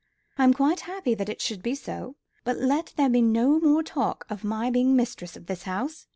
I am quite happy that it should be so, but let there be no more talk about my being mistress of this house.